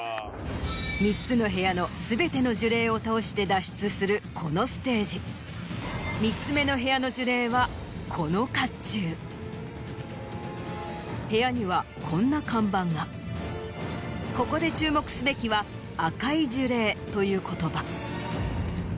３つの部屋の全ての呪霊を倒して脱出するこのステージ３つ目の部屋の呪霊はこの甲冑部屋にはこんな看板がここで注目すべきは「赤い呪霊」という言葉